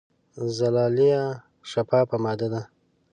زلالیه شفافه ماده ده.